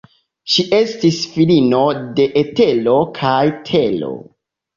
Ŝi estis filino de Etero kaj Tero.